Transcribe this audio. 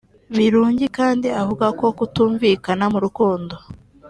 Birungi kandi avuga ko kutumvikana mu rukundo